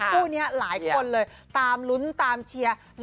คู่นี้หลายคนเลยตามลุ้นตามเชียร์